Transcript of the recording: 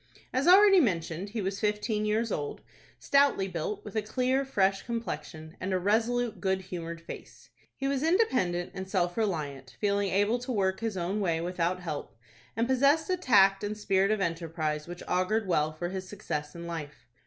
As already mentioned, he was fifteen years old, stoutly built, with a clear, fresh complexion, and a resolute, good humored face. He was independent and self reliant, feeling able to work his own way without help, and possessed a tact and spirit of enterprise which augured well for his success in life.